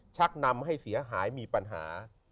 ชักนำให้เสียหายมีปัญหา